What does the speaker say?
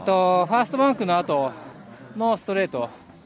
ファーストバンクのあとのストレート。